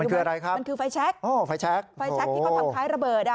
มันคือไฟแช็คไฟแช็คที่เขาทำท้ายระเบิด